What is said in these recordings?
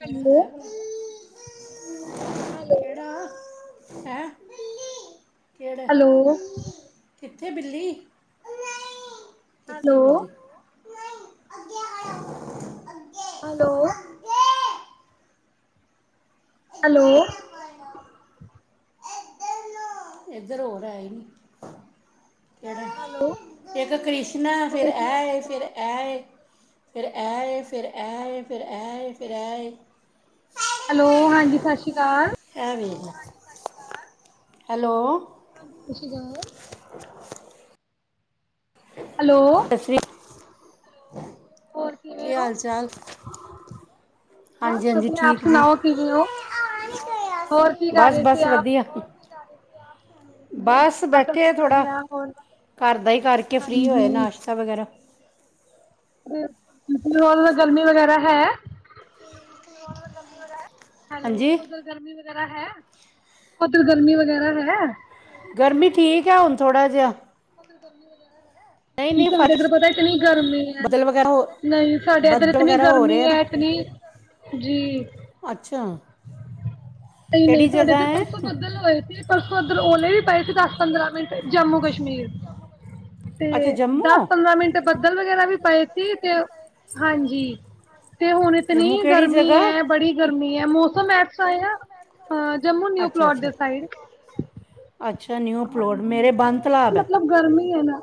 Hello. Hello. ਹੈਂ। ਕਹਿੜਾ। ਕਿੱਥੇ ਬਿੱਲੀ? ਕਿਥੇ ਐ ਬਿਲੀ? ਹੈਲੋ। ਹੈਲੋ। ਇੱਧਰ ਹੋਰ ਹੈ ਹੀ ਨਹੀਂ। ਹੜਾ ਇੱਕ ਕ੍ਰਿਸ਼ਨ ਫੇਰ ਹੈ ਫੇਰ ਐ ਏ। ਫਿਰ ਆ ਫਿਰ ਆ ਫਿਰ ਆ ਫਿਰ ਆ। ਹੈਲੋ ਹਾਂਜੀ ਸਤਿ ਸ਼੍ਰੀ ਅਕਾਲ, ਹੈਲੋ, ਹਾਂਜੀ ਸਤਿ ਸ਼੍ਰੀ ਅਕਾਲ, ਹੈਲੋ, ਹੋਰ ਕਿਵੇਂ ਔ? ਬਸ ਵਧਿਆ, ਆਪ ਸੁਣਾਓ ਕਿਵੇਂ ਔ? ਹੋਰ ਕੀ ਕਰ ਰਹੇ ਸੀ ਆਪ [inaudible] ਬਸ ਬੈਠੇ ਥੋੜ੍ਹਾ ਘਰ ਦਾ ਹੀ ਕਰਕੇ ਫ੍ਰਰੀ ਹੋਏ ਆਂ ਨਾਸ਼ਤਾ ਵਗੈਰਾ ਹੋਰ ਗਰਮੀ ਵਗੈਰਾ ਹੈ? ਹੈਲੋ ਉਧਰ ਗਰਮੀ ਵਿੱਚ ਵਗੈਰਾ ਹੈ ਓਧਰ ਗਰਮੀ ਵਗੈਰਾ ਹੈ? ਗਰਮੀ ਠੀਕ ਹੈ ਹੁਣ ਥੋੜ੍ਹਾ ਜਿਹਾ ਉਧਰ ਗਰਮੀ ਵਗੈਰਾ ਹੈ? ਕੀ ਸਾਡੇ ਇਧਰ ਪਤਾ ਇਤਨੀ ਗਰਮੀ ਐ ਨਹੀਂ ਸਾਡੇ ਇਧਰ ਇਤਨੀ ਗਰਮੀ ਐ ਇਤਨੀ ਜੀ ਨਹੀਂ-ਨਹੀਂ ਸਾਡੇ ਇੱਧਰ ਪਰਸੋਂ ਬੱਦਲ ਹੋਇਆ ਸੀ ਪਰਸੋਂ ਓਲੇ ਵੀ ਪਏ ਸੀ ਦਸ ਪੰਦਰਾਂ ਮਿੰਟ ਜੰਮੂ ਕਸ਼ਮੀਰ ਤੇ ਦਸ ਪੰਦਰਾਂ ਮਿੰਟ ਬੱਦਲ ਵਗੈਰਾ ਵੀ ਪਏ ਸੀ ਤੇ ਹਾਂਜੀ ਤੇ ਹੁਣ ਇਤਨੀ ਗਰਮੀ ਹੈ ਬੜੀ ਗਰਮੀ ਹੈ ਮੌਸਮ ਐ ਸਹੀ ਆ ਜੰਮੂ ਨਿਊ ਪਲੋਟ ਦੀ ਸਾਈਡ। ਹਾਂਜੀ ਹੁਣ ਇਤਨੀ ਮਤਲਬ ਗਰਮੀ ਹੈ ਨਾ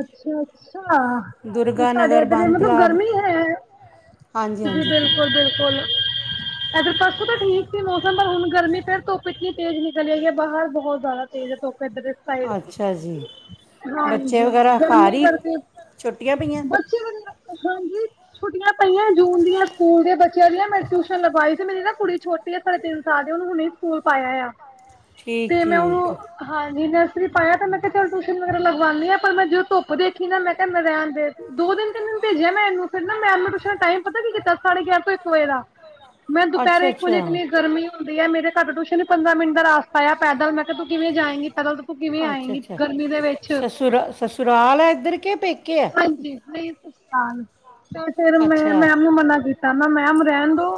ਅੱਛਾ-ਅੱਛਾ ਅੱਛਾ ਸਾਡੇ ਇੱਧਰ ਮਤਲਬ ਗਰਮੀ ਹੈ ਜੀ ਬਿਲਕੁਲ-ਬਿਲਕੁਲ ਇਦਰ ਪਾਸੇ ਤਾਂ ਠੀਕ ਸੀ ਮੌਸਮ ਪਰ ਹੁਣ ਗਰਮੀ ਫਿਰ ਧੁੱਪ ਇਤਨੀ ਤੇਜ਼ ਨਿਕਲੀ ਆਈ ਆ ਬਾਹਰ ਬੋ ਬਹੁਤ ਜ਼ਿਆਦਾ ਤੇਜ਼ ਹੈ ਧੁਪ। ਇਸ ਸਾਈਡ ਹਾਂਜੀ ਗਰਮੀ ਕਰਕੇ ਬੱਚੇ [unintelligible] ਛੁੱਟੀਆਂ ਪਈਆਂ ਜੂਨ ਦੀਆਂ ਸਕੂਲ ਦੇ ਬੱਚਿਆਂ ਦੀਆਂ ਮੈ ਟਿਊਸ਼ਨ ਲਗਵਾਈ ਸੀ ਮੇਰੀ ਨਾ ਕੁੜੀ ਛੋਟੀ ਆ ਸਾੇ ਤਿੰਨ ਸਾਲ ਦੀ ਉਹਨੂੰ ਹੁਣੇ ਸਕੂਲ ਪਾਇਆ ਆ। ਤੇ ਮੈਂ ਉਹਨੂੰ ਹਾਂਜੀ ਸਂ ਪਾਇਆ ਮੈਂ ਕਿਹਾ ਚਲ ਟਿਊਸ਼ਨ ਵਗੈਰਾ ਲਗਵਾਨੀ ਆ ਪਰ ਮੈਂ ਜਦੋਂ ਧੁੱਪ ਦੇਖੀ ਨਾ ਮੈਂ ਕਿਹਾ ਮੈਂ ਰਹਿਣ ਦੇ ਦੋ ਦਿਨ ਤਿੰਨਨ ਭੇਜਿਆ ਮੈਂ ਇਹਨੂੰ ਫਿਰ ਨਾ ਮੈ ਟਊਸ਼ਨ ਟਾਈਮ ਪਤਾ ਕੀ ਕੀਤਾ ਸਡੇ ਗਿਆ ਤੋਂ ਇਕ ਇਕ ਵਜੇ ਦਾ ਮੈਂ ਦੁਪਹਿਰ ਇੱਕ ਵਜੇ ਇਤਨੀ ਗਰਮੀ ਹੁੰਦੀ ਹੈ ਮੇਰੇ ਘਰ ਟਊਸ਼ਨ ਪੰਦਰਾਂ ਮਿੰਟ ਦਾ ਰਾਸਤਾ ਹੈ। ਪੈਦਲ ਮੈਂ ਕਿਹਾ ਤੂੰ ਕਿਵੇਂ ਜਾਏਗੀ ਪੈਦਲ ਤੇ ਤੂੰ ਕਿਵੇਂ ਆਏਂਗੀ ਗਰਮੀ ਦੇ ਵਿੱਚ, ਹਾਂਜੀ ਨਹੀਂ ਤ ਤੇ ਫਿਰ ਮੈਂ ਮੈਮ ਨੂੰ ਮਨਾ ਕੀਤਾ ਨਾ ਮੈਮ ਰਹਿਣ ਦੋ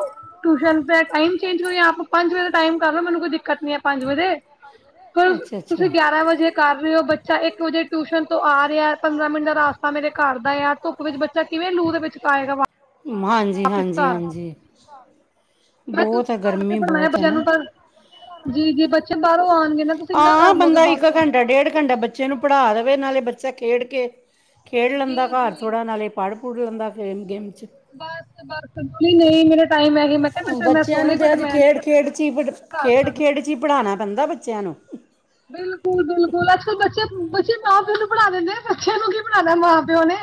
ਟਊਸ਼ਨ। ਟਾਈਮ ਚੇਂਜ ਹੋ ਆਪ ਪੰਜ ਵਜੇ ਦਾ ਟਾਈਮ ਕਰ ਲੋ ਮੈਨੂੰ ਕੋਈ ਦਿੱਕਤ ਨੀ ਹੈ ਪੰਜ ਵਜੇ। ਫ ਤੁਸੀਂ ਗਿਆਰਾਂ ਵਜੇ ਕਰ ਰਹੇ ਹੋ ਬੱਚਾ ਇੱਕ ਵਜੇ ਟਿਊਸ਼ਨ ਤੋਂ ਆ ਰਿਹਾ ਪੰਦਰਾਂ ਮਿੰਟ ਦਾ ਰਾਸਤਾ ਮੇਰੇ ਘਰ ਦਾ ਆ ਧੁੱਪ ਵਿਚ ਬੱਚਾ ਕਿਵੇਂ ਲੂ ਦੇ ਵਿੱਚ ਆਏਗਾ ਵਾ ਵਾਪਿਸ ਘਰ। ਬਹੁਤ ਗਰਮੀ ਬਹੁਤ ਹੈ ਨਾ, ਹਾਂ ਬੰਦਾ ਇੱਕ ਘੰਟਾ ਡੇਢ ਘੰਟਾ ਬੱਚੇ ਨੂੰ ਪੜ੍ਹਾ ਦੇਵੇ ਨਾਲੇ ਬੱਚਾ ਖੇਡ ਕੇ ਖੇਡ ਲੈਂਦਾ ਘਰ ਥੋੜ੍ਹਾ ਨਾਲੇ ਪੜ [unintelligible] ਬਾਦ [unintelligible] ਨਹੀ ਮੇਰਾ ਬੱਚਿਆਂ ਨੂੰ ਤੇ ਅੱਜ ਖੇਡ-ਖੇਡ ਚ ਹੀ ਪ ਖੇਡ-ਖੇਡ ਚ ਹੀ ਪੜ੍ਹਾਉਣਾ ਪੈਂਦਾ ਬੱਚਿਆਂ ਨੂੰ। ਬਿਲਕੁਲ ਬਿਲਕੁਲ ਅੱਜ ਕੱਲ ਬੱਚੇ ਬੱਚੇ ਮਾਂ ਪਿਓ ਨੂੰ ਪੜ੍ਹਾ ਦਿੰਦੇ ਬੱਚੇ ਨੂੰ ਕੀ ਪੜ੍ਹਾਂਦਾ ਮਾਂ ਪਿਓ ਨੇ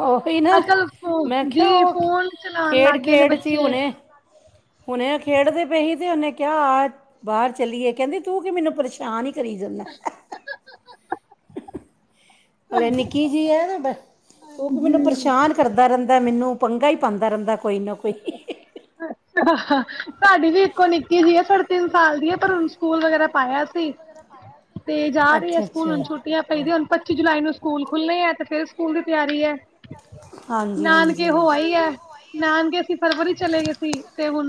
ਉਹੀ ਨਾ ਮੈਂ ਕਿਹਾਆ ਉਹ ਖੇਡ-ਖੇਡ ਚ ਹੁਣੇ, ਹੁਣੇ ਆ ਖੇਡਦੇ ਪਏ ਸੀ। ਨੇ ਕਿਹਾ ਆਹ ਬਾਹਰ ਚਲੀਏ ਕਹਿੰਦੀ ਤੂੰ ਕੀ ਮੈਨੂੰ ਪਰੇਸ਼ਾਨ ਹੀ ਕਰੀ ਜਾਨਾ। ਹਲੇ ਨਿੱਕੀ ਜੀ ਹੈ ਨਾ ਬ ਉਹ ਮੈਨੂੰ ਪਰੇਸ਼ਾਨ ਕਰਦਾ ਰਹਿੰਦਾ ਮੈਨੂੰ। ਪੰਗਾ ਹੀ ਪਾਉਦਾ ਰਹਿੰਦਾ ਸਾਡੀ ਵੀ ਇੱਕੋ ਨਿੱਕੀ ਜਿਹੀ ਹੈ ਸਾਢੇ ਤਿੰਨ ਸਾਲ ਦੀ ਹੈ ਪਰ ਹੁਣ ਸਕੂਲ ਵਗੈਰਾ। ਪਾਇਆ ਸੀ। ਤੇ ਜਾ ਰਹੇ ਆ ਸਕੂਲ ਹੁਣ ਛੁੱਟੀਆਂ ਪਈਦੀਆਂ ਹੁਣ ਪੱਚੀ ਜੁਲਾਈ ਨੂੰ ਸਕੂਲ ਖੁੱਲਣੇ ਹੈ ਤੇ ਫਿਰ ਸਕੂਲ ਦੀ ਤਿਆਰੀ ਹੈ ਨਾਨਕੇ ਹੋ ਆਈ ਆ ਗ ਸੀ [inaudible] ਫਰਵਰੀ ਚਲੇ ਗਏ ਸੀ ਤੇ ਹੁਣ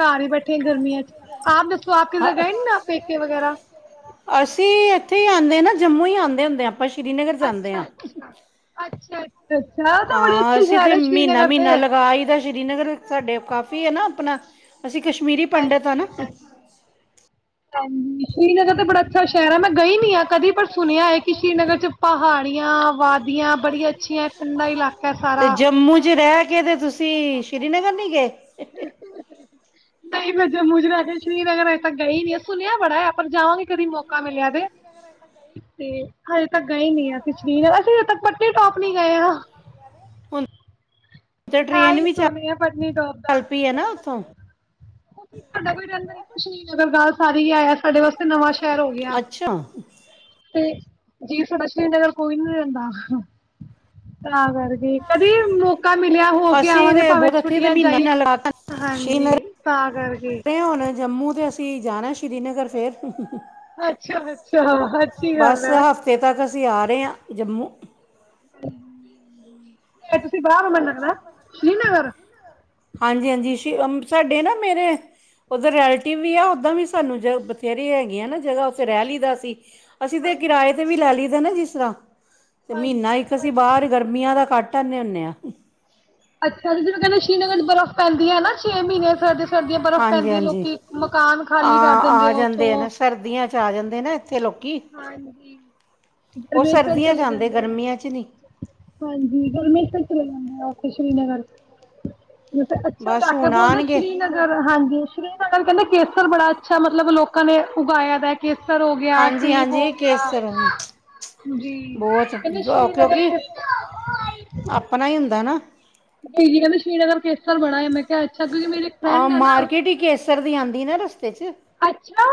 ਘਰ ਈ ਬੈਠੇ ਗਰਮੀਆਂ ਚ ਆਪ ਦੱਸੋ ਆਪ ਕਿਧਰ ਗਏ ਨੇ ਨਾ ਪੇਕੇ ਵਗੈਰਾ ਅਸੀਂ ਇੱਥੇ ਹੀ ਆਉਂਦੇ ਨਾ ਜੰਮੂ ਹੀ ਆਉਂਦੇ ਹੁੰਦੇ ਹਾਂ ਅੱਛਾ ਅੱਛਾ ਅੱਛਾ ਹਾਂ ਅਸੀਂ ਤੇ ਮਹੀਨਾ ਮਹੀਨਾ ਲਗਾ ਈਦਾ ਸ੍ਰੀਨਗਰ ਸਾਡੇ ਕਾਫੀ ਹੈ ਨਾ ਆਪਣਾ ਅਸੀਂ ਕਸ਼ਮੀਰੀ ਪੰਡਿਤ ਹਾਂ ਨਾ ਹਾਂ ਸ਼੍ਰੀਨਗਰ ਤੇ ਬੜਾ ਅੱਛਾ ਸ਼ਹਿਰ ਮੈਂ ਗਈ ਨੀ ਆ ਕਦੀ ਪਰ ਸੁਣਿਆ ਹੈ ਕਿ ਸ੍ਰੀਨਗਰ ਚ ਪਹਾੜੀਆਂ ਵਾਦੀਆਂ ਬੜੀ ਅੱਛੀਆਂ ਠੰਡਾ ਇਲਾਕਾ ਸਾਰਾ ਗ [unintelligible] ਤੇ ਤੁਸੀਂ ਸ੍ਰੀਨਗਰ ਨਹੀਂ ਗਏ ਨਹੀਂ [unintelligible] ਮੁਜਰਾ ਚ ਸ਼੍ਰੀਨਗਰ ਅੱਜ ਤੱਕ ਗਈ ਨੀ ਸੁਣਿਆ ਬੜਾ ਏ ਜਾਵਾਂਗੇ ਕਦੇ ਮੌਕਾ ਮਿਲਿਆ ਤੇ ਤੇ ਹਜੇ ਤੱਕ ਗਏ ਨੀ ਅਸੀਂ ਅਸੀਂ ਹਜੇ ਤੱਕ ਪਨੀਟੋਪ ਨੀ ਗਏ ਹ ਤੇ ਟ੍ਰੇਨ ਵੀ ਚ ਚੱਲ ਪਈ ਹੈ ਨਾ ਉੱਥੋਂ ਉਹ ਤੁਡਾ ਕੋਈ ਰਹਿੰਸ਼ ਅਗਰ ਗੱਲ [inaudible] ਆਇਆ ਸਾਡੇ ਵਾਸਤੇ ਨਵਾਂ ਸ਼ਹਿਰ ਹੋ ਗਿਆ ਤੇ ਜੀਤ ਦਸ਼ਨ ਕੋਈਦਾ। [unintelligible] ਤਾਂ ਕਰਕੇ ਕਦੇ ਵੀ ਮੌਕਾ ਮਿਲਿਆ ਹੋ ਕੇ ਆਵਾਂਗੇ ਭਾਵੇਂ ਛੁੱਟੀਆਂ ਚ ਜਾਈਏ ਹਾਂਜੀ। ਭੇ ਹਣ ਜੰਮੂ ਦੇ ਅਸੀਂ ਜਾਣਾ ਸ਼੍ਰੀਨਗਰ ਫੇਰ ਅੱਛਾ ਅੱਛਾ ਅਛੀ ਗੱਲ ਹੈ। ਅਸੀਂ ਆ ਰਹੇ ਹਾਂ ਜੰਮੂ ਫ ਤੁਸੀਂ ਬਾਹਰ ਹੋ ਮੰਨ ਸਕਦਾ ਸ਼੍ਰੀਨਗਰ [unintelligible] ਹਾਂਜੀ ਹਾਂਜੀ ਸ਼ ਸਾਡੇ ਨਾ ਮੇਰੇ ਉੱਧਰ ਰੈਲੇਟਿਵ ਵੀ ਆ ਉੱਦਾਂ ਵੀ ਸਾਨੂੰ ਜ ਬਥੇਰੇ ਹੈਗੇ ਆ ਨਾ ਜਗ੍ਹਾ ਉੱਥੇ ਰਹਿ ਲਈ ਦਾ ਅਸੀਂ। ਅਸੀ ਤੇ ਕਿਰਾਏ ਤੇ ਵੀ ਲੈ ਲਈਦਾ ਨਾ ਜਿਸ ਸਰਾ। ਤੇ ਮਹੀਨਾ ਇੱਕ ਸੀ ਬਾਹਰ ਗਰਮੀਆਂ ਦਾ ਕੱਟ ਧਰਨੇ ਹੁੰਦੇ ਆਂ। ਅੱਛਾ, ਤੇ ਜਨੂੰ ਕਹਿੰਦੇ- ਸ੍ਰੀਨਗਰ ਬਰਫ਼ ਪੈਂਦੀ ਹੈ ਨਾ। ਛੇ ਮਹੀਨੇ ਸਾਡੇ ਹਾਂਜੀ- ਹਾਂਜੀ, ਆ, ਆ ਜਾਂਦੇ ਹੈ ਨਾ ਸਰਦੀਆਂ ਚ ਆ ਜਾਂਦੇ ਨਾ ਇੱਥੇ ਲੋਕ। ਹਾਂਜੀ, ਗੁਰਮੇਸ਼ਰ ਚਲੇ ਜਾਂਦੇ ਆ, ਹਾਂਜੀ, ਗੁਰਮੇਸ਼ਰ ਚਲੇ ਜਾਂਦੇ ਆ। ਫੇਰ ਸ਼੍ਰੀਨਗਰ। ਜੇ ਅੱਛਾ, ਇਲਾਕੇ ਬੋਲਦੇ ਸ਼੍ਰੀਨਗਰ ਹਾਂਜੀ। ਗਰ [unintelligible] ਕਹਿੰਦੇ ਕੇਸਰ ਬੜਾ ਅੱਛਾ ਮਤਲਬ ਲੋਕਾਂ ਨੇ ਉਗਾਇਆ ਦੇ। ਕੇਸਰ ਹੋ ਗਿਆ, ਸੇਬ ਹੋ ਗਿਆ, ਜੀ, ਕਹਿੰਦੇ ਸ਼੍ਰੀਨਗਰੀ ਕ ਕਹਿੰਦੇ ਸ਼੍ਰੀਨਗਰ ਕੇਸਰ ਬੜਾ ਹੈ, ਮੈਂ ਕਿਹਾ ਅੱਛਾ, ਕਿਉਂਕਿ ਮੇਰੀ ਫਰੈਂਡ ਹੈ ਨਾ, ਰ ਦੀ ਆਉਂਦੀ ਨਾ ਰਸਤੇ ਚ। ਅੱਛਾ!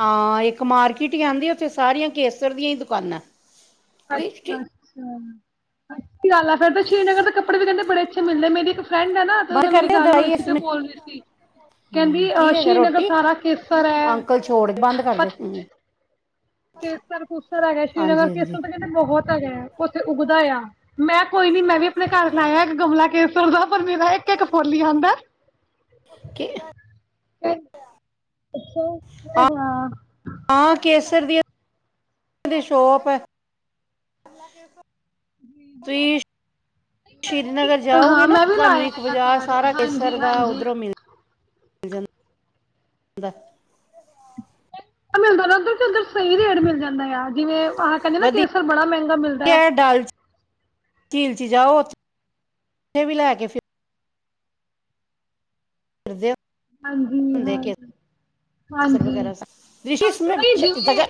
ਹਾਂ, ਇੱਕ ਮਾਰਕਿਟ ਹੀ ਆਉਂਦੀ, ਉੱਥੇ ਸਾਰੀਆਂ ਕੇਸਰ ਦੀਆਂ ਹੀ ਦੁਕਾਨਾਂ। ਅੱਛਾ- ਅੱਛਾ। ਅੱਛਾ। ਗੱਲ ਆ ਫਿਰ ਸ਼੍ਰੀਨਗਰ ਦੇ ਕੱਪੜੇ ਵੀ ਕਹਿੰਦੇ ਬੜੇ ਅੱਛੇ ਮਿਲਦੇ। ਮੇਰੀ ਇੱਕ ਫਰੈਂਡ ਹੈ ਨਾ, ਤੇ ਉਹਦੇ ਨਾਲ ਮੇਰੀ ਗੱਲ ਹੋਈ ਸੀ। ਤੇ ਬੋਲ ਰਹੀ ਸੀ ਕਹਿੰਦੀ ਹ ਸ਼੍ਰੀਨਗਰ ਸਾਰਾ ਕੇਸਰ ਹੈ- ਕੇਸਰ- ਕੁਸਰ ਹੈਗਾ ਸ਼੍ਰੀਨਗਰ ਕੇਸਰ ਤਾਂ ਕਹਿੰਦੇ ਬਹੁਤ ਹੈਗਾ, ਉੱਥੇ ਉੱਗਦਾ ਆ। ਮੈਂ ਕੋਈ ਨੀ ਮੈਂ ਵੀ ਆਪਣੇ ਘਰ ਲਾਇਆ ਗਮਲਾ ਕੇ- ਤੁਰਦਾਪੁਰਮੀ ਦਾ ਇੱਕ- ਇੱਕ ਫੋਲੀ ਹੀ ਆਉਂਦਾ। ਕਿ- ਅੱਛਾ, ਹਾਂ। ਹਾਂ ਕੇਸ- ਸਰਦੀਆਂ ਦੀ ਸ਼ੋਪ ਹੈ। ਤੁਸੀਂ ਸ੍ਰੀਨਗਰ ਜਾਓਗੇ ਨਾ, ਤੁਹਾਨੂੰ ਇੱਕ ਬਾਜ਼ਾਰ ਸਾਰਾ ਕੇਸਰ ਦਾ ਉੱਧਰੋਂ ਮਿਲ- ਹੂੰਦਾ। ਮਿਲਦਾ ਨਾ ਉੱਧਰ, ਉੱਧਰ ਸਹੀ ਰੇਟ ਮਿਲ ਜਾਂਦਾ ਆ ਜਿਵੇਂ- ਹਾ ਕਹਿੰਦੇ ਨਾ ਕੇਸਰ ਬੜਾ ਮਹਿੰਗਾ ਮਿਲਦਾ ਹੈ। ਝੀਲ ਚ ਜਾਓ, ਉਥੇ ਵੀ ਲੈਗੈ ਫੇ- ਕਰਦੇ ਹੋ। ਹਾਂਜੀ, ਹਾਂ ਹਾਂਜੀ, ਜਿਵੇਂ,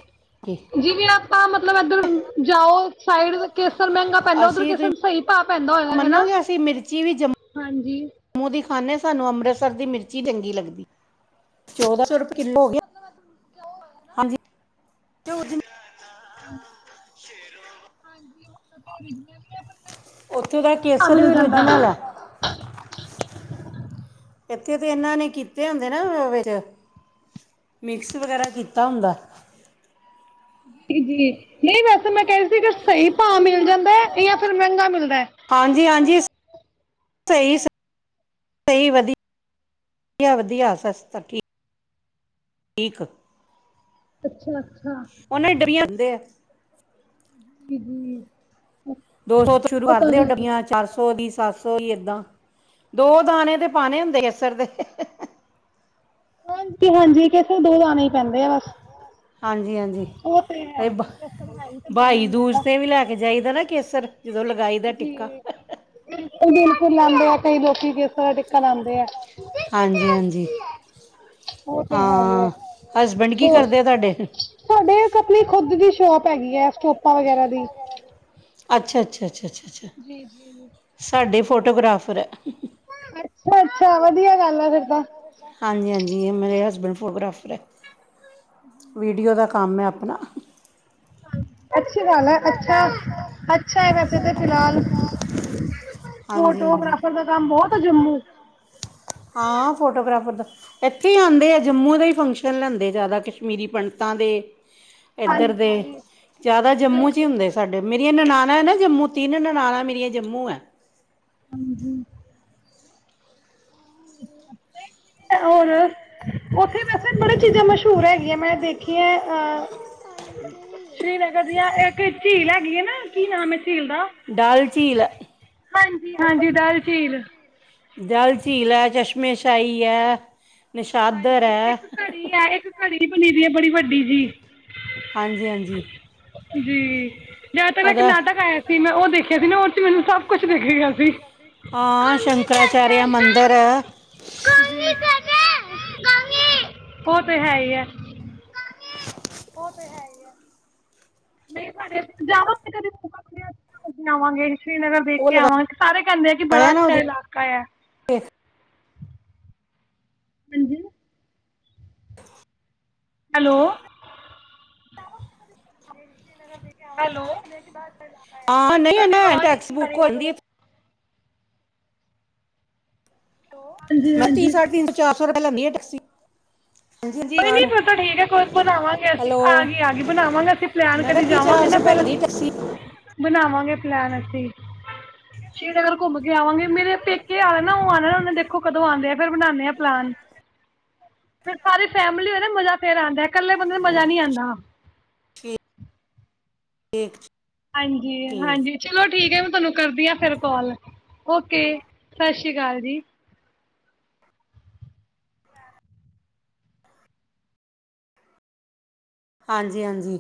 ਜਿਵੇਂ ਆਪਾਂ ਮਤਲਬ ਇਧਰ ਜਾਓ- ਸਾਈਡ ਦੇ- ਕਿਸਰ ਮਹਿੰਗਾ ਪੈਂਦਾ, ਉਧਰ ਕਿਸਰ ਸਹੀ ਭਾਅ ਪੈਂਦਾ ਹੋਇਆ ਹਨਾ, ਹਾਂਜੀ। ਖਾਨੇ, ਸਾਨੂੰ ਅੰਮ੍ਰਿਤਸਰ ਦੀ ਮਿਰਚੀ ਚੰਗੀ ਲੱਗਦੀ, ਚੋਦਾਂ ਸੋ ਰੁਪਏ ਕਿਲੋ ਹੋ ਗਿਆ ਹਾਂਜੀ। ਹਾਂ। ਸ਼ੇਰ। ਹਾਂਜੀ। [inaudible] ਉੱਥੇ ਦਾ ਕੇਸਰ ਵੀ ਓਰਿਜਨਲ ਹੈ। ਇਥੇ ਤਾਂ ਇਹਨਾਂ ਨੇ ਕੀਤੇ ਹੁੰਦੇ ਨਾ ਵਿੱਚ ਮਿਕਸ ਵਗੈਰਾ ਕੀਤਾ ਹੁੰਦਾ। ਜੀ ਜੀ। ਨਹੀਂ ਵੈਸੇ ਮੈਂ ਕਹ ਰਹੀ ਸੀ ਕਿ ਸਹੀ ਭਾਅ ਮਿਲ ਜਾਂਦਾ ਹੈ ਜਾਂ ਫਿਰ ਮਹਿੰਗਾ ਮਿਲਦਾ? ਵਧੀਆ ਵਧੀਆ ਵਧੀਆ ਸਸ ਠੀਕ ਠੀਕ। [inaudible] ਦਿਣਾ। [inaudible] ਉਹਨਾਂ ਨੂੰ ਡਬੀਆਂ ਦਿੰਦੇ ਆ। [inaudible] ਜ ਜ। [inaudible] ਦੋ ਸੌ ਤੋਂ ਸ਼ੁਰੂ ਕਰਦੇਓ ਡੱਬੀਆਂ ਚਾਰ ਸੌ ਦੀ ਸੱਸ ਹੋਈ ਏਦਾਂ ਦੋ ਦਾਣੇ ਦੇ ਪਾਉਣੇ ਹੁੰਦੇ ਕੇਸਰ ਦੇ ਹਜੀ। [inaudible] ਹਾਂਜੀ ਹਾਂਜੀ ਬ ਭਾਈ ਦੂਜ ਤੇ ਵੀ ਲੈ ਕੇ ਜਾਈਦਾ ਨਾ ਕੇਸਰ ਜਦੋਂ ਲਗਾਈ ਦਾ ਟਿੱਕਾ। ਹਾਂਜੀ ਹਾਂਜੀ। ਉਹ ਤੇ ਹੈਗੇ ਹੈ ਹੋਰ ਸਾਡੇ ਆਪਣੀ ਖੁਦ ਦੀ ਸ਼ੋਪ ਹੈਗੀ ਹੈ ਸਟੋਪਾ ਵਗੈਰਾ ਦੀ। ਅੱਛਾ ਅੱਛਾ ਅੱਛਾ ਅੱਛਾ। ਅੱਛਾ ਸਾਡੇ ਫੋਟੋਗ੍ਰਾਫ। ਪਰ [inaudible] ਅੱਛਾ ਅੱਛਾ ਵਧੀਆ ਗੱਲ ਆ ਫੇਰ ਤਾਂ। ਹਾਂਜੀ ਹਾਂਜੀ ਇਹ ਮੇਰੇ ਹਸਬੈਂਡ ਫੋਟੋਗ੍ਰਾਫਰ ਹੈ। ਵੀਡੀਓ ਦਾ। ਕੰਮ ਹੈ ਆਪਣਾ। ਹਾਂਜੀ ਅ। ਅੱਛੀ ਗਾਲ ਹੈ ਅੱਛਾ ਅੱਛਾ ਹੈ ਵੈਸੇ ਤਾਂ ਫਿਲਹਾਲ ਫੋਟੋਗ੍ਰਾਫਰ ਦਾ ਕੰਮ ਬਹੁਤ ਜੰਮੂ ਹਾਂ ਫੋਟੋਗ੍ਰਾਫਰ ਦਾ ਇੱਥੇ ਹੀ ਆਉਂਦੇ ਆ ਜੰਮੂ ਦਾ ਹੀ ਫੰਕਸ਼ਨ ਲੈਂਦੇ ਜ਼ਿਆਦਾ ਕਸ਼ਮੀਰੀ ਪੰਡਤਾਂ ਦੇ। ਇੱਧਰ ਦੇ ਜ਼ਿਆਦਾ ਜੰਮੂ ਚ ਹੀ ਹੁੰਦੇ ਸਾਡੇ ਮੇਰੀਆਂ ਨਨਾਨਾਂ ਨਾ ਜੰਮੂ ਤਿੰਨ ਨਨਾਨਾਂ ਮੇਰੀਆਂ ਜੰਮੂ ਹੈ। ਹਾਂਜੀ। ਹੋਰ ਉੱਥੇ ਵੈਸੇ ਬੜੀਆਂ ਚੀਜ਼ਾਂ ਮਸ਼ਹੂਰ ਹੈ। ਮੈਂ ਦੇਖੀ ਹੈ ਅਹ ਸ਼੍ਰੀਨਗਰ ਦੀਆਂ ਇੱਕ ਝੀਲ ਹੈਗੀਈ ਹੈ ਨਾ, ਕੀ ਨਾਮ ਏ? ਡਲਝੀਲ ਹਾਂਜੀ ਡਲਝੀਲ। ਡਲ ਝੀਲ ਹੈ, ਚਸ਼ਮੇਸ਼ਾਹੀ ਹੈ। ਹਾਂਜੀ ਇੱਕ ਘੜੀ ਐ ਇੱਕ ਘੜੀ ਦੀਦੀ ਐ ਬੜੀ ਵੱਡੀ ਜੀ। ਹਾਂਜੀ -ਹਾਂਜੀ। ਜੀ। ਜਦ ਤੱਕ ਦਾ ਇੱਕ ਨਾਟਕ ਆਇਆ ਸੀ, ਮੈਂ ਉਹ ਦੇਖਿਆ ਸੀ ਨਾ ਉਹ ਚ ਮੈਨੂੰ ਸਭ ਕੁਛ ਦਿਖ ਗਿਆ ਸੀ। ਉਹ ਤੇ ਹੈ ਹੀ ਐ। ਉਹ ਤੇ ਹੈ ਹੀ ਆ। ਨਹੀਂ ਆਦਾ ਕਦੇ ਮੌ ਆਵਾਂਗੇ। [inaudible] ਸ਼੍ਰੀਨਗਰ ਦੇਖ ਕੇ ਆਵਾਂਗੇ, ਸਾਰੇ ਕਹਿੰਦੇ ਆ ਕਿ ਬੜਾ ਅੱਛਾ ਇਲਾਕਾ ਐ। ਹਾਂਜੀ। ਹੈਲੋ। [unintelligible] ਹਾਂ ਨਹੀਂ ਆਂ ਐ ਟੈਕਸਟ ਬੁੱਕ ਆਂਦੀ ਐ । ਮੈਂ ਕਿਹਾ ਤੀਹ ਸਾਢੇ ਤਿਨ ਤੋਂ ਚਾਰ ਸੌ ਲੈਂਦੀ ਆ ਟੈਕਸੀ। ਕੋਈ ਨੀ ਫੇਰ ਤਾਂ ਠੀਕ ਹੈ ਕੋਈ ਬਣਾਵਾਂਗੇ ਅਸੀਂ ਆਗ਼ੀ, ਆਗੀ ਬਣਾਵਾਂਗੇ ਅਸੀਂ ਪਲੈਨ ਕਰੀ ਜਾਵਾਂਗੇ ਨਾ ਫਿਰ ਬਣਾਵਾਂਗੇ। ਲੈਣ ਅਸੀਂ ਸ਼੍ਰੀਨਗਰ ਘੁੰਮ ਕੇ ਆਵਾਂਗੇ ਮੇਰੇ ਪੇਕੇ ਆ ਨਾ ਉਹ ਆਨਾ ਨਾ ਉਹੇ ਦੇਖੋ ਕਦੋਂ ਆਂਦੇ ਆ। ਫੇਰ ਬਨਾਨੇ ਆ ਪਲਾਨ। ਫਿਰ ਸਾਰੇ ਫੈਮਿਲੀ ਹੋਏ ਨਾ ਮਜਾ ਫੇਰ ਆਂਦਾ। ਇਕੱਲੇ ਬੰਦੇ ਨੂੰ ਮਜ਼ਾ ਨਹੀਂ ਆਂਦਾ। [unintelligible] ਕੇਕ ਚ ਹਾਂਜੀ, ਹਾਂਜੀ ਚਲੋ ਠੀਕ ਏ, ਮੈਂ ਤੁਹਾਨੂੰ ਕਰਦੀ ਹਾਂ ਫਿਰ ਕੌਲ ਓਕੇ, ਸਤਿ ਸ੍ਰੀ ਅਕਾਲ ਜੀ। ਹਾਂਜੀ, ਹਾਂਜੀ।